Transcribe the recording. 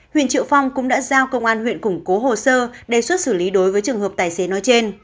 huyện triệu phong cũng đã giao công an huyện củng cố hồ sơ đề xuất xử lý đối với trường hợp tài xế nói trên